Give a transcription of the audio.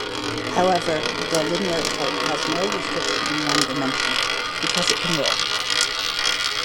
However, the linear type has no restriction in one dimension, because it can roll.